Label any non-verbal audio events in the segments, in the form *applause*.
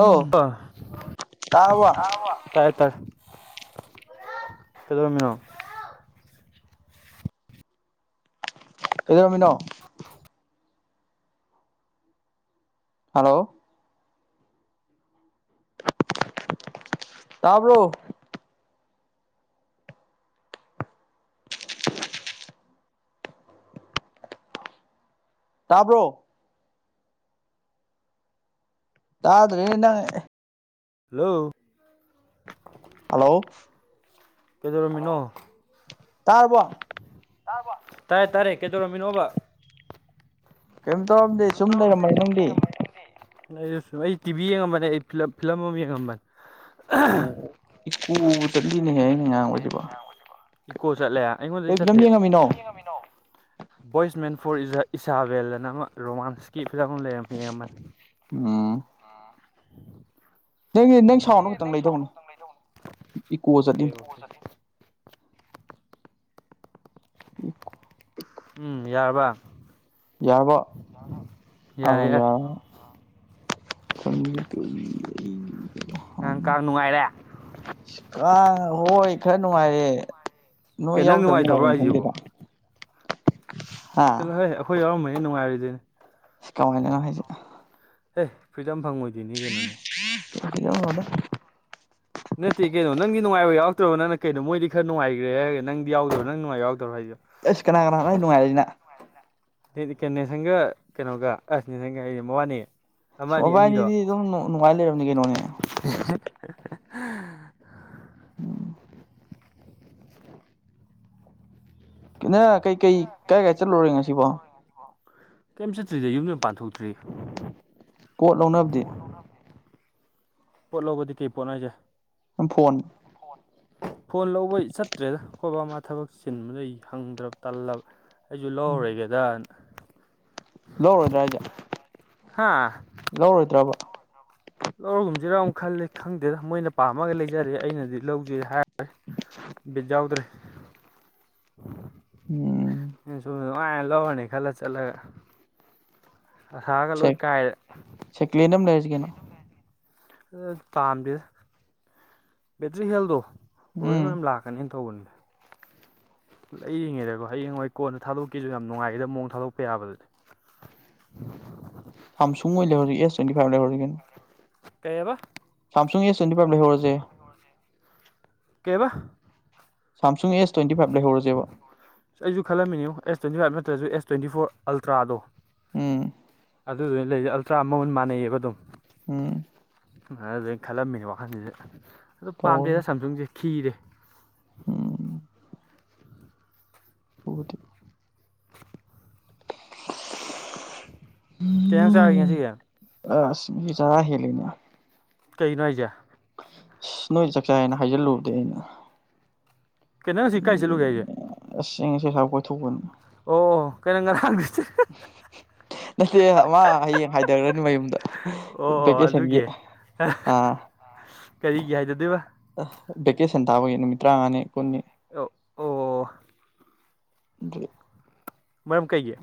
ꯎ ꯇꯥꯔꯕ ꯇꯔ ꯀꯩꯗꯃꯤꯅꯣ ꯀꯗꯔꯃꯤ ꯅꯣ ꯍꯜꯂꯣ ꯇꯥꯕ꯭ꯔꯣ ꯇꯥꯕ꯭ꯔꯣ ꯇ ꯑꯗꯨꯟꯅꯉꯦ ꯍꯜꯂꯣ ꯍꯜꯂꯣ ꯀꯩꯗꯧꯔꯝꯃꯤꯅꯣ ꯇꯥꯔꯕ ꯇꯥꯔꯦ ꯇꯥꯔꯦ ꯀꯩꯗꯧꯔꯝꯃꯤꯅꯣꯕ ꯀꯩꯝ ꯇꯧꯔꯝꯗꯦ ꯁꯨꯝ ꯂꯩꯔꯝꯃ ꯅꯪꯗꯤ ꯑꯩ ꯁꯨꯝ ꯑꯩ ꯇꯤꯚꯤ ꯌꯦꯡꯉꯝꯕꯅꯤ ꯑꯩ ꯐꯤꯂꯝ ꯑꯃ ꯌꯦꯡꯉꯝꯕꯅꯤ ꯏꯀꯨ ꯆꯠꯂꯤꯅꯦꯍꯦ ꯑꯩꯅ ꯉꯥꯡꯕꯁꯤꯕꯣ ꯏꯀꯣ ꯆꯠꯂꯦ ꯑꯩꯉꯣꯟꯗ ꯀꯩ ꯐꯤꯂꯝ ꯌꯦꯡꯉꯝꯃꯤꯅꯣ ꯆꯠꯇꯦꯃꯤ ꯚꯣꯏꯁ ꯃꯦꯟ ꯐꯣꯔ ꯏꯁꯥꯚꯦꯜꯂꯅ ꯑꯃ ꯔꯣꯃꯥꯟꯁ ꯀ ꯐꯖꯥ ꯀ ꯂꯩꯔꯝ ꯐꯩ ꯌꯥꯝꯕ ꯎꯝ ꯅꯪꯒꯤ ꯅꯪ ꯅ ꯁꯥꯎꯟꯗꯣ ꯈꯛꯇꯪ ꯅꯦꯛꯁ ꯂꯩꯗꯧꯅꯦ ꯁꯥꯎꯅꯪꯪ ꯂꯩꯗꯣ ꯏꯀꯣ ꯑꯣꯀꯦ ꯆꯠꯂꯤꯅꯦ ꯑꯣꯖ ꯑꯦ ꯎꯝ ꯌꯥꯔꯔꯕ ꯌꯥꯕ ꯑ ꯌꯥꯔꯦ ꯌꯥꯔꯦ ꯌꯥ ꯀꯃ ꯀ ꯅꯪꯀ ꯅꯨꯡꯉꯥꯏꯔꯦ ꯑ ꯍꯣꯏ ꯈꯔ ꯅꯨꯡꯉꯥꯏꯔꯦ ꯀꯩ ꯅꯣꯏ ꯅꯪ ꯌꯥꯎꯗꯕ ꯅꯨꯡꯉꯥꯏꯇꯕ꯭ꯔꯣ ꯃꯥꯐꯝ ꯍꯥꯏꯁꯤꯕꯣ ꯈꯪꯗꯦꯗ ꯍꯥ ꯇ ꯍ ꯑꯩꯈꯣꯏ ꯌꯥꯎꯔꯝꯕꯅꯤ ꯅꯨꯡꯉꯥꯏꯔꯤꯗꯨꯣꯏꯅꯦ ꯁꯤꯀꯥꯎ ꯉꯅꯅ ꯍꯥꯏꯁꯦ ꯍꯦ ꯐ꯭ꯔꯤꯗꯝꯝ ꯐꯪꯃꯣꯏꯗꯤꯅꯤ ꯀꯩꯅꯣꯅꯦ ꯅꯠꯇꯦ ꯀꯩꯅꯣ ꯅꯪꯗꯤꯅꯨꯡꯉꯕ ꯌꯥꯎꯔꯛꯇꯕꯣ ꯅꯪ ꯀꯩꯅꯣ ꯃꯣꯏꯗꯤ ꯈꯔ ꯉꯥꯏ꯭ꯔꯦꯔꯦ ꯅꯪꯗꯤ ꯌꯥꯎꯗ꯭ꯔꯣ ꯅꯪ ꯅꯨꯡꯉꯥꯏꯕ ꯌꯥꯎꯗ꯭ꯔꯣ ꯍꯥꯏꯁꯦ ꯑꯁ ꯀꯅꯥ ꯀꯅꯥꯅ ꯅꯨꯡꯉꯥꯏꯔꯁꯤꯅ ꯏ ꯅꯁꯪꯒ ꯀꯩꯅꯣꯒ ꯑꯁ ꯅꯁꯪꯒ ꯑꯩꯁꯦ ꯃꯅꯤ ꯣꯕꯥꯏꯅꯤꯗꯤ ꯑꯗꯨꯝ ꯅꯨꯡꯉꯥꯏ ꯂꯩꯔꯕꯅꯤ ꯀꯩꯅꯣꯅꯦ *unintelligible* ꯎꯝ ꯅ ꯀꯩꯀꯩ ꯀꯥꯏ ꯀꯥꯏ ꯆꯠꯂꯨꯔꯦ ꯉꯁꯤꯕꯣ ꯀꯩꯝ ꯆꯠꯇ꯭ꯔꯤꯗ ꯌꯨꯝ ꯌ ꯄꯥꯟꯊꯣꯛꯇ꯭ꯔꯤ ꯄꯣꯠ ꯂꯧꯅꯕꯗꯤ ꯄꯣꯠ ꯂꯧꯕꯗꯤ ꯀꯩ ꯄꯣꯠꯅꯁꯦ ꯐꯣꯟ ꯐꯣꯟ ꯐꯣꯟ ꯂꯧꯕ ꯆꯠꯇ꯭ꯔꯦꯗ ꯑꯩꯈꯣꯏ ꯕ ꯃꯥ ꯊꯕꯛ ꯆꯤꯟꯕꯗꯩ ꯍꯪꯗ꯭ꯔꯕ ꯇꯜꯂꯕ ꯑꯩꯁꯨ ꯂꯧꯔꯔꯒꯦꯗ ꯂꯧꯔꯣꯏꯗ꯭ꯔꯥ ꯍꯥꯏꯁꯦ ꯍꯥ ꯂꯧꯔꯣꯏꯗ꯭ꯔꯕ ꯂꯧꯔꯒꯨꯝꯁꯤꯔꯥ ꯑꯃꯨꯛ ꯈꯜꯂꯦ ꯈꯪꯗꯦꯗ ꯃꯣꯏꯅ ꯄꯥꯝꯃꯒ ꯂꯩꯖꯔꯦ ꯑꯩꯅꯗꯤ ꯂꯧꯖꯩ ꯍꯥꯏꯔ ꯕꯤꯠ ꯌꯥꯎꯗ꯭ꯔꯦ ꯎꯝ ꯅꯨꯡꯉꯥꯏꯅ ꯂꯧꯔꯅꯤ ꯈꯜꯂ ꯆꯠꯂꯒ ꯑꯁꯥꯒ ꯂꯣꯏ ꯀꯥꯏꯔꯦ ꯁꯦꯀꯦꯟ ꯑꯃ ꯂꯩꯔꯁꯤ ꯀꯩꯅꯣ ꯄꯥꯝꯗꯗ ꯕꯦꯇ꯭ꯔꯤ ꯍꯦꯜꯗꯣ ꯄ꯭ꯔꯣꯕ꯭ꯂꯦꯝ ꯎꯝ ꯌꯥꯝ ꯂꯥꯛꯀꯅꯦꯅ ꯇꯧꯕꯅꯤꯅꯦ ꯂꯩꯔꯤꯉꯦꯗꯀꯣ ꯍꯌꯦꯡ ꯍꯣꯏ ꯀꯣꯟꯗ ꯊꯥꯗꯣꯛꯀꯁꯨ ꯌꯥꯝ ꯅꯨꯡꯉꯥꯏꯒꯗ ꯃꯑꯣꯡ ꯊꯥꯗꯣꯛꯄ ꯌꯥꯕꯗꯗꯤ *unintelligible* ꯁꯝꯁꯨꯡ ꯑꯣꯏ ꯂꯩꯍꯔꯤ ꯑꯦꯁ ꯇ꯭ꯋꯇꯤꯥꯏꯚ ꯂꯩꯍꯔꯤꯅꯣ ꯀꯩꯕ ꯁꯥꯝꯁꯨꯡꯒꯤ ꯁꯟꯗꯤ ꯄꯥꯏꯝ ꯂꯩꯍꯧꯔꯁꯦ ꯀꯩꯕ ꯁꯥꯝꯁꯨꯡ ꯑꯦꯁ ꯇ꯭ꯋꯦꯟꯇꯤ ꯐꯥꯏꯚ ꯂꯩꯍꯧꯔꯁꯦꯕ ꯑꯩꯁꯨ ꯈꯜꯂꯝꯃꯤꯅꯤ ꯑꯦꯁ ꯇ꯭ꯋꯦꯟꯇꯤ ꯐꯥꯏꯚ ꯅꯠꯇ꯭ꯔꯁꯨ ꯑꯦꯁ ꯇ꯭ꯋꯦꯟꯇꯤ ꯐꯣꯔ ꯑꯜꯇ꯭ꯔꯥꯗꯣ ꯎꯝ ꯑꯗꯨꯗꯨꯅ ꯂꯩꯗꯤ ꯑꯜꯇ꯭ꯔꯥ ꯃꯃꯟ ꯃꯥꯟꯅꯩꯌꯦꯕ ꯑꯗꯨꯝ ꯎꯝ ꯁꯨꯃꯥꯏꯅ ꯑꯗꯨꯩꯅ ꯈꯜꯂꯝꯃꯤꯅꯦ ꯋꯥꯈꯜꯁꯤꯗ ꯑꯗꯨ ꯄꯥꯝꯗꯦꯗ ꯁꯝꯁꯨꯡꯁꯦ ꯈꯤꯔꯦ ꯑꯣꯝ ꯎꯗꯤ *unintelligible* ꯀꯩ ꯏꯟꯖꯥꯡ ꯎ ꯆꯥꯔꯒꯦ ꯉꯁꯤꯒꯤ ꯑꯁ ꯆꯔꯥ ꯍꯜꯂꯦꯅꯦ ꯀꯩꯅꯣ ꯍꯥꯏꯖꯦ ꯑꯁ ꯅꯣꯏ ꯆꯥꯛꯆꯥ ꯍꯥꯏꯅ ꯍꯥꯏꯖꯤꯜꯂꯨꯕꯗꯤ ꯑꯩꯅ ꯀꯩꯅꯣ ꯍꯧꯖꯤꯛ ꯀꯥꯏ ꯆꯠꯂꯨꯒꯦ ꯍꯥꯏꯖꯦ ꯑꯁ ꯑꯩ ꯉꯁꯤ ꯑ꯭ꯁꯥꯏꯕꯥꯎ ꯀꯣꯏꯊꯣꯛꯄꯅꯤ ꯑꯣ ꯀꯩꯅꯪ ꯉꯔꯥꯡ ꯒꯤ *unintelligible* ꯅꯠꯇꯦ ꯑꯃ ꯍꯌꯦꯡ ꯍꯥꯏꯊꯈ꯭ꯔꯅꯤ ꯃꯌꯨꯝꯗ ꯑꯣ ꯑꯣ ꯕꯦꯗꯦꯁꯪꯒꯤ ꯑꯗꯨꯒꯤ ꯑꯥ ꯀꯔꯤꯒꯤ ꯍꯥꯏꯗꯗꯣꯏꯕ ꯚꯦꯀꯦꯁꯟ ꯇꯥꯕꯒꯤ ꯅꯨꯃꯤꯠ ꯇꯔꯥꯃꯉꯥꯅꯤ ꯀꯨꯟꯅꯤ ꯑꯣ ꯑꯣ *inaudible* ꯃꯔꯝ ꯀꯩꯒꯤ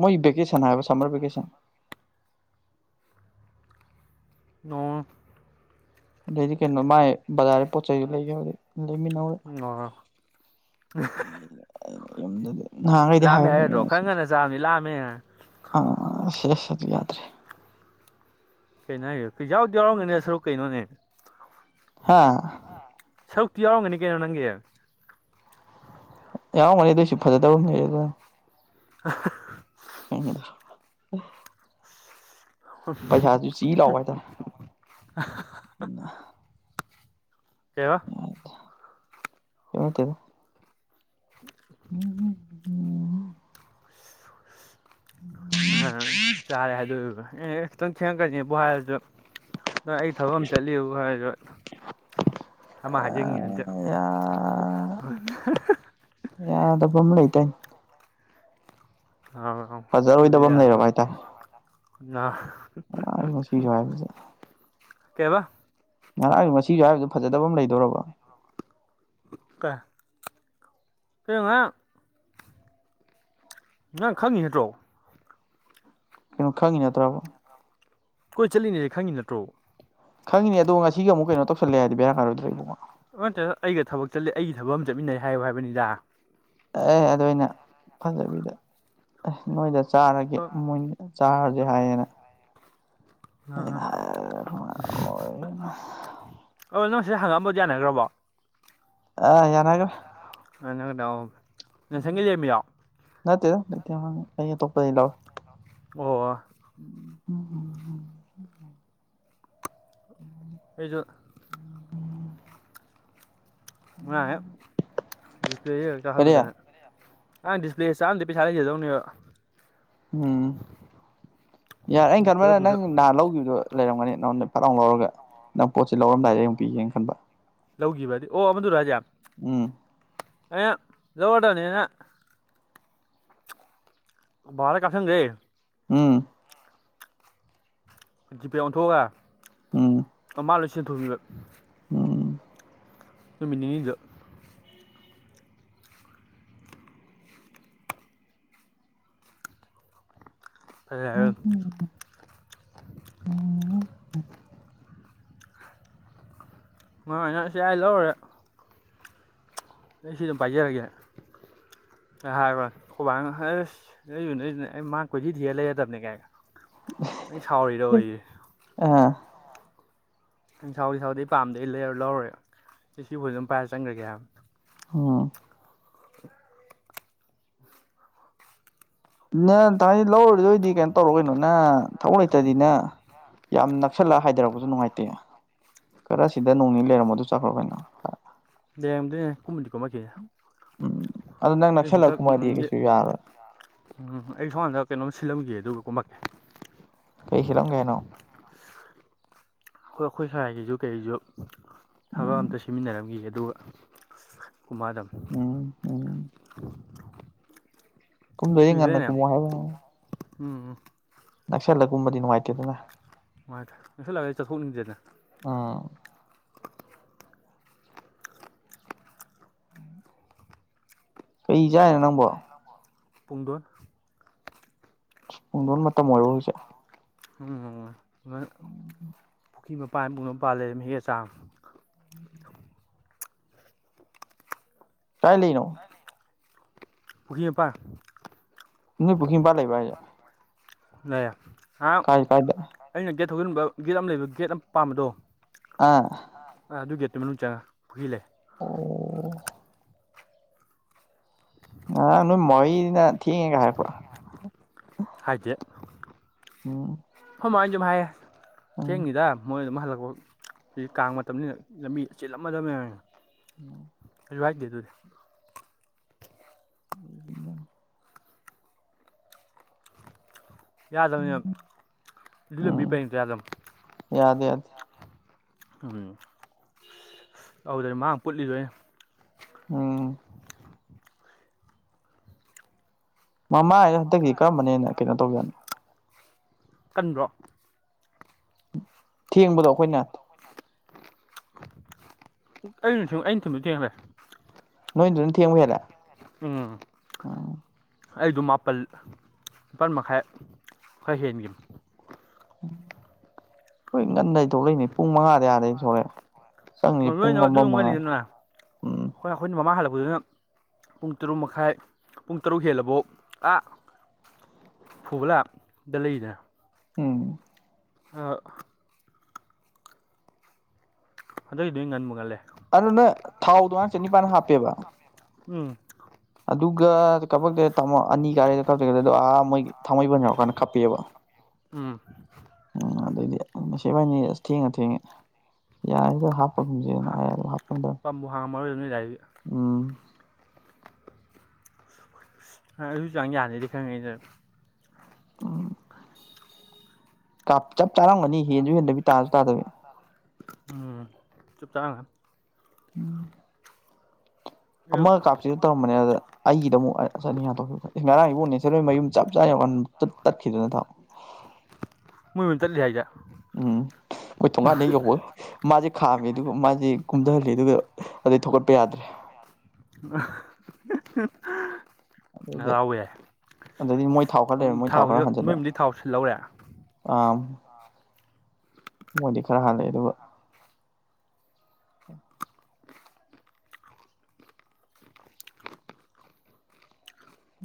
ꯃꯣꯏ ꯚꯦꯀꯦꯁꯟ ꯍꯥꯏꯕ ꯁꯃꯔꯚꯤꯀꯦꯁꯟ ꯑꯣ ꯑꯗꯩꯗꯤ ꯀꯩꯅꯣ ꯃꯥꯥꯏ ꯕꯖꯥꯔꯒꯤ ꯄꯣꯠ ꯆꯩꯖꯨ ꯂꯩꯒꯦ ꯍꯧ ꯂꯩꯃꯤꯟꯅꯧꯔꯦ ꯑꯣ ꯗꯤ *unintelligible* ꯂꯥꯛꯑꯝꯃꯦ ꯍꯥꯏꯗ꯭ꯔꯣ ꯈꯔ ꯉꯟꯅ ꯆꯥꯕꯅꯤ ꯂꯥꯛꯑꯝꯃꯦ ꯑ ꯁꯤꯦꯁꯗꯤ ꯌꯥꯗ꯭ꯔꯦ ꯀꯩꯅꯣ ꯍꯥꯏ ꯌꯥꯎ ꯌꯥꯎꯔꯝꯒꯅꯦ ꯁꯔꯨꯛ ꯀꯩꯅꯣꯅꯦ ꯍꯥꯥ ꯁꯔꯨꯛꯇꯤ ꯌꯥꯎꯔꯝꯒꯅꯤ ꯀꯩꯅꯣ ꯅꯪꯒꯤ ꯌꯥꯎ ꯃꯒꯅꯤ ꯑꯗꯣꯏꯁꯨ ꯐꯖꯗꯕ ꯑꯝ *unintelligible* ꯄꯩꯁꯥ ꯆꯤ ꯂꯥꯎꯕ ꯍꯥꯏꯇꯥꯔꯦ ꯀꯩꯝ ꯀꯩꯕ ꯀꯩꯩꯝꯅꯠꯇꯦꯗ *unintelligible* ꯎꯝ *unintelligible* ꯎꯝ *unintelligible* ꯑ ꯆꯥꯔꯦ ꯍꯥꯏ ꯑꯦ ꯈꯤꯇꯪ ꯊꯦꯡꯉꯈꯅꯤ ꯕꯣꯍꯥꯔꯁꯨ ꯊꯕꯛ ꯑꯃ ꯆꯠꯂꯤꯌꯨ ꯍꯥꯏꯔꯁꯨ ꯑꯃ ꯍꯥꯏꯖꯅꯤꯡꯉꯤ ꯌꯥ *unintelligible* ꯌꯥꯗꯕ ꯑꯃ ꯂꯩꯇꯩꯅꯦ ꯑ ꯑ ꯇ ꯐꯖꯔꯣꯏꯗꯕ ꯑꯃ ꯂꯩꯔꯕ ꯍꯥꯏꯇꯥꯔꯦ ꯌꯥꯕ ꯉꯁꯤꯁꯨ ꯍꯥꯏꯕꯁꯦ ꯀꯩꯕ ꯉꯥꯏꯍꯥꯛ ꯉꯁꯤꯁꯨ ꯍꯥꯏꯕꯗꯨꯣ ꯐꯖꯗꯕ ꯑꯃ ꯂꯩꯗꯣꯔꯕ ꯀ ꯀꯩꯅꯥ ꯅꯪ ꯈꯪꯉꯤ ꯅꯠꯇ꯭ꯔꯣ ꯀꯩꯅꯣ ꯈꯪꯉꯤ ꯅꯠꯇ꯭ꯔꯕ ꯀꯣꯏ ꯆꯠꯂꯤꯅꯦ ꯈꯪꯉꯤ ꯅꯠꯇ꯭ꯔꯣ ꯈꯪꯉꯥꯅꯦ ꯑꯗꯣ ꯉꯁꯤ ꯑꯃꯨꯛ ꯀꯩꯅ ꯇꯧꯁꯜꯂꯦ ꯍꯥꯏꯗꯤ ꯕꯔꯥ ꯀꯥꯔꯣꯏꯗ꯭ꯔꯣ ꯏꯕꯨꯉꯣ ꯅꯠꯇꯦꯗ ꯑꯩꯒ ꯊꯕꯛ ꯆꯠꯂꯦ ꯑꯩꯒꯤ ꯊꯕꯛ ꯑꯃ ꯆꯠꯃꯤꯟꯅꯩ ꯍꯥꯏꯌꯨ ꯍꯥꯏꯕꯅꯤꯗ ꯑꯦ ꯑꯗꯨꯅ ꯐꯖꯕꯤꯗ ꯑꯦ ꯅꯣꯏꯗ ꯆꯥꯔꯒꯦ ꯑꯥ ꯃꯣꯏ ꯆꯥꯔꯒꯦ ꯍꯥꯏꯌꯦꯅ ꯑꯩꯅ ꯑꯣ ꯅꯪ ꯁꯤꯗ ꯍꯪꯉꯛꯑꯝꯕꯗꯤ ꯌꯥꯅꯈ꯭ꯔꯕꯣ ꯑ ꯌꯥꯅꯒ꯭ꯔꯦ *unintelligible* ꯅꯠꯇꯦꯗ ꯅꯠꯇꯦ ꯑꯩ ꯑꯇꯣꯞꯄꯗꯒꯤ ꯂꯧꯔꯦ ꯑꯣ ꯎꯝ ꯍꯨꯝ ꯎꯝ ꯑꯩꯖꯨ ꯉꯔꯥꯡ ꯍꯦꯛ ꯗꯤꯁꯄ꯭ꯂꯦ ꯀꯔꯤ ꯆꯥꯛꯍꯜꯂꯨꯗꯅ ꯉꯔꯥꯡ ꯗꯤꯁꯄ꯭ꯂꯦ ꯆꯥꯛ ꯑꯝꯗ꯭ꯔꯗꯤ ꯄꯩꯁꯥ ꯂꯩꯖꯗꯧꯅꯦꯕ ꯎꯝ ꯌꯥꯔꯦ ꯑꯩꯅ ꯈꯟꯕꯅ ꯈꯨꯗꯛꯇꯨꯗ ꯅꯪ ꯅꯍꯥꯟ ꯂꯧꯈꯤꯕꯗꯣ ꯂꯩꯔꯝꯒꯅꯤ ꯅꯪꯉꯣꯟꯗ ꯐꯠ ꯂꯥꯎ ꯂꯧꯔꯒ ꯅꯪ ꯄꯣꯠꯁꯆꯩ ꯂꯧꯔꯝꯗꯥꯏꯗ ꯑꯩꯃꯨꯛ ꯄꯤꯒꯦꯅ ꯈꯟꯕ ꯂꯧꯈꯤꯕꯗꯤ ꯑꯣ ꯑꯃꯗꯨꯔ ꯍꯥꯏꯖꯦ ꯎꯝ ꯑꯩꯅ ꯂꯧꯔꯗꯝꯅꯦꯅ ꯕꯥꯕꯥꯗ ꯀꯥꯥꯞꯁꯟꯒ꯭ꯔꯦ ꯎꯝ ꯖꯤꯄꯦ ꯑꯣꯟꯊꯣꯛꯑꯒ ꯎꯝ ꯑ ꯃꯥ ꯂꯣꯏ ꯁꯤꯖꯤꯟꯅꯊꯣꯛꯈꯤꯕ ꯎꯝ ꯅꯨꯃꯤꯠ ꯅꯤꯅꯤꯗ ꯎꯝ *unintelligible* ꯎꯝ *unintelligible* ꯑꯩ ꯁꯤ ꯑꯗꯨꯝ ꯄꯥꯏꯖꯔꯒꯦ ꯍꯥꯏꯔꯔꯣꯏ ꯈꯣꯢꯕꯥꯅ ꯑꯁ *unintelligible* ꯑꯩ ꯃꯥ ꯀꯣꯏꯊꯤ ꯊꯤꯔ ꯂꯩꯔꯗꯕꯅꯦ ꯒꯥꯢꯌꯦ ꯅꯪ ꯁꯥꯎꯔꯤꯔꯣꯌꯦ ꯑꯥ ꯎꯪ ꯁꯥꯎꯗꯦ ꯁꯥꯎꯗꯦ ꯄꯥꯝꯗꯩ ꯑꯩ ꯂꯩꯌꯔ ꯂꯧꯔꯦ ꯑꯩ ꯁꯤ ꯐꯣꯟꯁꯦ ꯑꯗꯨꯝ ꯄꯥꯏꯔ ꯆꯪꯈ꯭ꯔꯒꯦ ꯍꯥꯏꯕꯅꯦ ꯑꯣ ꯅ ꯊꯥꯏꯗꯤ ꯂꯧꯔꯨꯗꯣꯏꯗꯤ ꯀꯩꯅꯣ ꯇꯧꯔꯣ ꯀꯩꯅꯣ ꯅ ꯊꯕꯛ ꯂꯩꯇ꯭ꯔꯗꯤꯅ ꯌꯥꯝ ꯅꯛꯁꯜꯂꯛ ꯍꯥꯏꯊꯔꯛꯄꯁꯨ ꯅꯨꯡꯉꯥꯏꯇꯦ ꯈꯔꯁꯤꯗ ꯅꯣꯡ ꯅꯤ ꯂꯩꯔꯝꯃꯣꯗꯨ ꯆꯠꯈ꯭ꯔꯣ ꯀꯩꯅꯣ ꯂꯩꯔꯝꯗꯣꯏꯅꯦ ꯀꯨꯝꯕꯨꯗꯤ ꯀꯨꯝꯃꯛꯈꯤꯅꯤ ꯎꯝ ꯑꯗꯨ ꯅꯪ ꯅꯛꯁꯜꯂꯛ ꯀꯨꯝꯃꯗꯤ ꯀꯩꯁꯨ ꯌꯥꯔꯣꯏ ꯎꯝ ꯑꯩ ꯁꯣꯅꯀꯟꯗ ꯀꯩꯅꯣꯝ ꯁꯤꯜꯂꯝꯒꯦ ꯑꯗꯨꯒ ꯀꯨꯝꯃꯛꯀꯦ ꯀꯩ ꯁꯤꯜꯂꯝꯒꯦ ꯍꯥꯏꯅꯣ ꯍꯣꯏ ꯑꯩꯈꯣꯏ ꯁꯥꯏꯒꯤꯁꯨ ꯀꯩꯒꯤꯁꯨ ꯊꯕꯛ ꯎꯝ ꯑꯝꯇ ꯁꯤꯃꯤꯟꯅꯔꯝꯈꯤ ꯑꯗꯨꯒ ꯀꯨꯃꯛꯑꯗꯝꯅꯦ ꯎꯝ ꯎꯝ ꯀꯨꯝꯗꯣꯏꯗꯤ ꯉꯟꯅ ꯀꯨꯝꯃꯣ ꯍꯥꯏꯒꯦ ꯇꯧꯅꯤ ꯎꯝ ꯅꯛꯁꯜꯂ ꯀꯨꯝꯕꯗꯤ ꯅꯨꯡꯉꯥꯏꯇꯦꯗꯅ ꯃꯥꯏꯗ ꯅꯛꯁꯜꯂꯑꯗꯤ ꯆꯠꯊꯣꯛꯅꯤꯡꯗꯦꯅ ꯑꯥ ꯀꯩ ꯆꯥꯏꯅꯣ ꯅꯪꯕꯣ ꯄꯨꯡꯗꯣꯟ ꯄꯨꯡꯗꯣꯟ ꯃꯇꯝ ꯑꯣꯏꯔꯕꯣ ꯍꯧꯖꯤꯛ ꯎꯝ ꯄꯨꯈ꯭ꯔꯤ ꯃꯄꯥꯟ ꯄꯨꯡꯗꯣꯟ ꯄꯥꯟ ꯂꯩꯔ ꯍꯦꯛ ꯑ ꯆꯥꯕꯅꯦ ꯀꯥꯏ ꯂꯩꯅꯣ ꯄꯨꯈꯤ ꯃꯄꯥꯟ ꯅꯣꯏ ꯄꯨꯈꯤ ꯃꯄꯥꯟ ꯂꯩꯕ‍꯭ꯔꯣ ꯍꯥꯏꯖꯦ ꯂꯩꯌꯦ ꯑꯥꯝ ꯀꯥꯏ ꯀꯥꯏꯗ ꯑꯩꯅ ꯒꯦꯠ ꯊꯧꯖꯤꯟꯕ ꯒꯦꯠ ꯑꯃ ꯂꯩꯕ ꯒꯦꯠ ꯑꯃ ꯄꯥꯝꯕꯗꯣ ꯑꯥ ꯑ ꯑꯗꯨ ꯒꯦꯠꯇꯨ ꯃꯅꯨꯡ ꯆꯪꯉ ꯄꯨꯈꯤ ꯂꯩ ꯑꯣ ꯉꯔꯥꯡ ꯅꯣꯏ ꯃꯥꯎꯏꯅ ꯊꯦꯡꯉꯦꯒ ꯍꯥꯏꯔꯛꯄ꯭ꯔꯥ ꯍꯥꯏꯗꯦ ꯎꯝ ꯈꯣꯏ ꯃꯥꯍꯣꯏꯅ ꯑꯗꯨꯝ ꯍꯥꯏꯌꯦ ꯎꯝ ꯊꯦꯡꯅꯤꯗ ꯃꯣꯏ ꯑꯗꯨꯝ ꯍꯜꯂꯛꯄ ꯍꯖꯤꯛ ꯀꯥꯡ ꯃꯇꯝꯅꯤꯗ ꯂꯝꯕꯤ ꯆꯤꯜꯂꯝꯃꯗꯝꯅꯦ ꯎꯝ ꯀꯩꯁꯨ ꯍꯥꯏꯗꯦ ꯑꯗꯨꯗꯤ ꯎꯝ ꯌꯥꯗꯕꯅꯦ ꯑꯗꯨ ꯂꯝꯕꯤ ꯎꯝ ꯄꯔꯦꯡꯇꯣ ꯌꯥꯗꯝꯅꯤ ꯌꯥꯗꯦ ꯌꯥꯗꯦ ꯎꯝ ꯑꯗꯨꯗꯗꯤ ꯃꯥꯡ ꯄꯨꯠꯂꯤꯗꯣ ꯑꯩꯅ ꯎꯝ ꯃꯃꯥꯏꯖꯦ ꯍꯟꯇꯛꯀꯤ ꯀꯔꯝꯕꯅ ꯍꯦꯟꯅ ꯀꯩꯅꯣ ꯇꯧꯖꯥꯠꯅꯣ ꯀꯟꯗ꯭ꯔꯣ ꯊꯦꯡꯕꯗꯣ ꯑꯩꯈꯣꯏꯅ ꯑꯩꯅ ꯁꯨꯝ ꯑꯩꯅ ꯊꯨꯝꯃꯤ ꯀꯦꯡꯂꯦ ꯅꯣꯏꯗꯨꯅ ꯊꯦꯡꯕ ꯍꯦꯜꯂꯦ ꯎꯝ ꯎꯝ ꯑꯩꯗꯨ ꯃꯥꯄꯜ ꯅꯤꯄꯥꯜ ꯃꯈꯥꯏ ꯈꯔ ꯍꯦꯟꯒꯤꯕꯅꯤ ꯍꯣꯏ ꯉꯟꯅꯗꯤ ꯊꯣꯛꯂꯛꯏꯅꯦ ꯄꯨꯡ ꯃꯉꯥꯗꯩ ꯑꯗꯩ ꯊꯣꯛꯂꯛꯑꯦ ꯆꯪꯉꯤꯖꯦ ꯑꯣ ꯄꯨꯡ ꯑꯃ ꯃꯉꯥꯏ ꯎꯝ ꯈꯣꯏꯅ ꯑꯈꯣꯏꯅ ꯃꯃꯥꯡ ꯍꯜꯂꯛꯄꯗꯨꯅ ꯄꯨꯡ ꯇꯔꯨꯛ ꯃꯈꯥꯏ ꯄꯨꯡ ꯇꯔꯨꯛ ꯍꯦꯜꯂꯕꯧ ꯑꯥ ꯐꯨꯕꯂꯥ ꯗ ꯂꯩꯔꯤꯗꯅ ꯎꯝ ꯑ ꯍꯟꯗꯛꯀꯤꯗꯤ ꯉꯟꯕꯨ ꯉꯜꯂꯦ ꯑꯗꯨ ꯅꯣꯏ ꯊꯥꯎꯗꯣ ꯉꯥꯡ ꯆꯅꯤꯄꯥꯟ ꯍꯥꯞꯄꯦꯕ ꯎꯝ ꯑꯗꯨꯒ ꯀꯞꯄꯛꯇꯦ ꯇꯥꯃꯣ ꯑꯅꯤ ꯀꯥꯔꯦꯅ ꯀꯛꯇꯦ ꯑꯗꯨꯒ ꯑꯥ ꯃꯣꯏꯒꯤ ꯊꯥꯡꯃꯩꯕꯟ ꯌꯧꯔꯛꯀꯥꯟꯗ ꯈꯞꯄꯛꯑꯦꯕ ꯎꯝ ꯎꯝ ꯑꯗꯩꯗꯤ ꯑꯁ ꯏꯕꯥꯥꯏꯅꯤꯖꯦ ꯊꯦꯡꯒ ꯊꯦꯡꯉꯦ ꯌꯥꯔꯅꯤꯗ ꯍꯥꯞ ꯍꯥꯞꯄꯒꯨꯝꯁꯦꯅ ꯍꯥꯏꯔ ꯍꯥꯞꯐꯟꯗ꯭ꯔꯦ ꯄꯝꯕꯨ ꯍꯥꯡꯉꯝꯃꯔꯣꯏꯗ ꯅꯣꯏ ꯑꯗꯥꯏꯗꯤ ꯎꯝ ꯑ ꯑꯗꯨ ꯆꯥꯡ ꯌꯥꯅꯤꯗꯤ ꯈꯪꯉꯤꯗ ꯎꯝ ꯀꯥꯞ ꯆꯞ ꯆꯥꯔꯝꯒꯅꯤ ꯍꯦꯟꯖꯨ ꯍꯦꯟꯗꯕꯤ ꯇꯥꯁꯨ ꯇꯥꯗꯕꯤ ꯎꯝ ꯆꯨꯞ ꯆꯥꯒ꯭ꯔꯦ ꯎꯝ ꯑꯗꯨ ꯑꯃꯒ ꯀꯥꯞ ꯇꯧꯔꯝꯕꯅꯦ ꯑꯗ ꯑꯩꯒꯤꯗ ꯑꯃꯨꯛ ꯑ ꯆꯅꯤ ꯍꯥꯠꯇꯣꯛꯈꯤꯕ ꯉꯔꯥꯡ ꯏꯕꯣ ꯅꯦꯆꯔꯦꯜ ꯃꯌꯨꯝ ꯆꯞ ꯆꯥꯅ ꯌꯧꯔꯀꯥꯟꯗ ꯇꯠꯈꯤꯗꯅ ꯊꯥꯎ ꯃꯣꯏ ꯃꯌꯨꯝ ꯇꯠꯂꯤ ꯍꯥꯏꯖꯦ ꯎꯝ ꯍꯣꯏ ꯊꯣꯡꯉꯥꯟꯗ ꯌꯧꯕꯣ ꯃꯥꯁꯦ ꯈꯥꯝꯃꯦ ꯑꯗꯨꯒ ꯃꯥꯁꯦ ꯀꯨꯝꯊꯍꯜꯂꯤ ꯑꯗꯨꯒ ꯑꯗꯨꯗꯩ ꯊꯒꯠꯄ ꯌꯥꯗ꯭ꯔꯦ ꯑ *inaudible* ꯑꯗꯨꯗꯤ ꯉꯔꯥꯎꯋꯦ ꯌꯥꯏ ꯑꯗꯩꯗꯤ ꯃꯣꯏ ꯊꯥꯎ ꯈꯔ ꯂꯩꯔꯦ ꯃꯣꯏ ꯊꯥꯎ ꯊꯥꯎꯁꯦ ꯈꯔ ꯅꯣꯏ ꯍꯟꯖꯤꯜꯂ ꯃꯌꯨꯝꯗꯩ ꯊꯥꯎ ꯁꯤꯜꯍꯧꯔꯦ ꯑꯝ ꯃꯣꯏꯗꯤ ꯈꯔ ꯍꯜꯂꯛꯑꯦ ꯑꯗꯨꯒ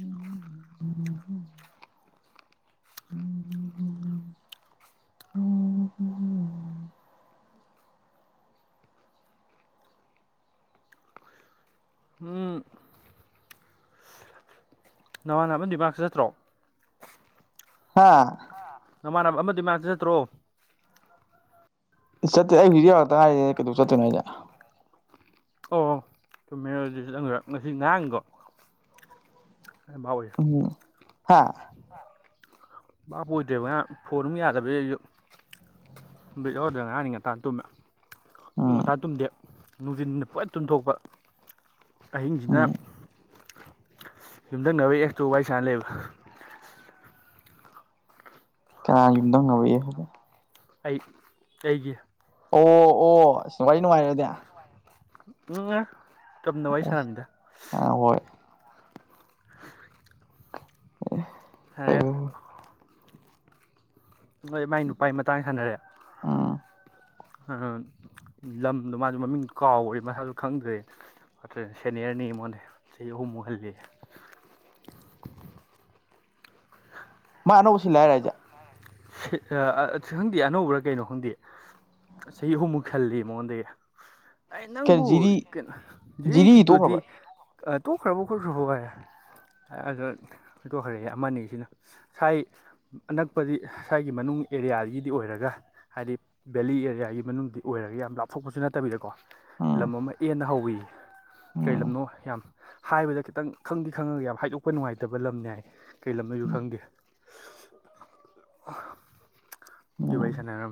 ꯎꯝ ꯎ ꯎ ꯎꯝ ꯎ *unintelligible* ꯍꯝ ꯅꯃꯥꯟ ꯑꯃ ꯗꯤꯃꯥꯛꯁ ꯆꯠꯇ꯭ꯔꯣ ꯍꯥ ꯅꯃꯥꯟꯅꯕ ꯑꯃꯗꯤ ꯃ ꯆꯠ ꯆꯠꯇ꯭ꯔꯣ ꯆꯠꯇꯦ ꯑꯩ ꯍꯧꯖꯤꯛꯧꯔꯛꯇ ꯍꯥꯏꯔꯤ ꯀꯩꯗꯧ ꯆꯠꯇꯣꯏꯅꯣ ꯍꯥꯏꯖꯦ ꯑꯣ ꯊꯨꯝꯃꯦꯔꯣꯗꯤ *unintelligible* ꯉꯁꯤ ꯉꯔꯥꯡꯗꯣ ꯌꯥꯝ ꯍꯥꯎꯋꯦ ꯎꯝ ꯍꯥ ꯚꯕꯥ ꯀ ꯑꯣꯏꯗ꯭ꯔꯦꯕ ꯉ ꯐꯣꯟꯝ ꯌꯥꯗꯕ ꯦꯛ ꯌꯥꯎꯔꯗ ꯉꯍꯥꯡꯅꯤ ꯉꯇ ꯇꯨꯝꯃꯦ ꯎ ꯎꯝ ꯉꯟꯇꯥ ꯇꯨꯝꯗꯦ ꯅꯨꯡꯁꯤꯤꯟꯗ ꯄꯨꯠ ꯇꯨꯟꯊꯣꯛꯄ ꯑꯍꯤꯡꯁꯤꯅ ꯎꯝ ꯌꯨꯝꯊꯪꯅꯕꯅꯕ ꯑꯦꯁꯇꯨ ꯋꯥꯏ ꯁꯥꯅ ꯂꯩꯕ ꯀꯥ ꯌꯨꯝꯗꯪ ꯉꯕ ꯌꯥ ꯍꯥꯏꯂꯦ ꯑꯩ ꯑꯩꯒꯤ ꯑꯣ ꯑꯣ ꯑꯁ ꯋꯥꯔꯤ ꯅꯨꯡꯉꯥꯏꯔꯗꯤꯦ ꯎꯝ ꯆꯝꯅ ꯋꯥꯔꯤ ꯁꯔꯝꯗ ꯑ ꯍꯣꯏ ꯑꯦ ꯁꯥꯟꯅꯔꯦ ꯄꯥꯏꯕ ꯅꯣꯏ ꯃꯥꯏ ꯅꯨꯄꯥꯥꯏ ꯃꯇꯥꯡ ꯁꯥꯟꯅꯔꯦ ꯎꯝ ꯂꯝꯗꯣ ꯃꯥꯁꯨ ꯃꯃꯤꯡ ꯀꯥꯎ꯭ꯔꯦ ꯃꯁꯥꯁꯨ ꯈꯪꯗ꯭ꯔꯦ ꯁꯦꯅꯤꯌꯔꯅꯤ ꯃꯅꯦ ꯁꯤ ꯍꯨꯝ ꯍꯜꯂꯤ ꯃꯥ ꯑꯅꯧꯕꯁꯤ ꯂꯑꯦ ꯔꯥꯏꯖꯦ ꯈꯪꯗꯦ ꯑꯅꯧꯕ꯭ꯔꯥ ꯀꯩꯅꯣ ꯈꯪꯗꯦ ꯆꯍꯤ ꯑꯍꯨꯝꯃꯨꯛ ꯈꯜꯂꯤ ꯃꯉꯣꯟꯗꯒꯤ ꯑꯩ ꯀꯩꯅꯣ ꯅꯪꯕꯨ ꯖꯤꯔꯤ ꯀꯩꯅꯣ ꯖꯤꯔꯤ ꯒꯤꯗꯨꯗꯤ ꯇꯣꯛꯈ꯭ꯔꯕ ꯑ ꯇꯣꯛꯈ꯭ꯔꯕꯣ ꯈꯣꯠꯈ꯭ꯔꯕꯣ ꯒꯥꯏꯌꯦ ꯑꯗ ꯊꯣꯏꯗꯣꯛꯈ꯭ꯔꯦ ꯑꯃꯅꯤꯁꯤꯅ ꯉꯥꯏ ꯑꯅꯛꯄꯗꯤ ꯁꯥꯥꯏꯒꯤ ꯃꯅꯨꯡ ꯑꯦꯔꯤꯌꯥꯗꯒꯤꯗꯤ ꯑꯣꯏꯔꯒ ꯍꯥꯏꯗꯤ ꯕꯦꯂꯤ ꯑꯦꯔꯤꯌꯥꯒꯤ ꯃꯅꯨꯡꯗ ꯑꯣꯏꯔꯒ ꯌꯥꯝ ꯂꯥꯞꯊꯣꯛꯄꯁꯨ ꯅꯠꯇꯕꯤꯗꯀꯣ ꯎꯝ ꯂꯝ ꯑꯃ ꯍꯟꯅ ꯍꯧꯋꯤ ꯀꯩ ꯎꯝ ꯂꯝꯅꯣ ꯌꯥꯝ ꯍꯥꯏꯕꯗ ꯈꯤꯇꯪ ꯈꯪꯗꯤ ꯈꯪꯉꯒ ꯌꯥꯝ ꯍꯥꯏꯗꯣꯛꯄ ꯅꯨꯡꯉꯥꯏꯇꯕ ꯂꯝꯅꯦ ꯍꯥꯏ ꯀꯩ ꯂꯝꯅꯁꯨ ꯈꯪꯒꯦ ꯌꯕꯩ ꯎꯝ ꯁꯥꯟꯅꯅ